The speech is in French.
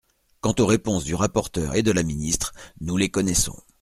Quant aux réponses du rapporteur et de la ministre, nous les connaissons.